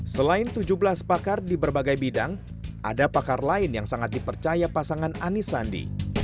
selain tujuh belas pakar di berbagai bidang ada pakar lain yang sangat dipercaya pasangan anis sandi